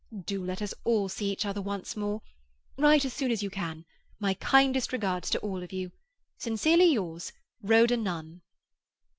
Do let us all see each other once more. Write as soon as you can. My kindest regards to all of you.—Sincerely yours, RHODA NUNN."